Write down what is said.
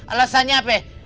alasannya apa ya